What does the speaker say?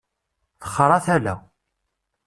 Texṛa tala.